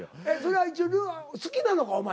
えっそれは一応好きなのか？